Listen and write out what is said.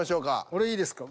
俺いいですか？